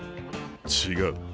違う。